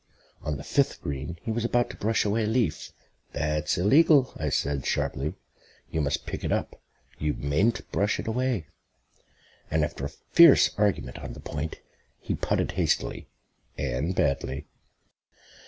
On the fifth green he was about to brush away a leaf. "That's illegal," I said sharply, "you must pick it up; you mayn't brush it away," and after a fierce argument on the point he putted hastily and badly.